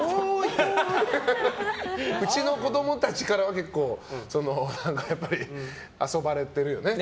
うちの子供たちからは結構遊ばれてるよね。